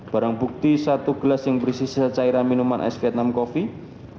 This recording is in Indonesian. barang bukti satu gelas yang berisi cairan minuman ice viet nam coffee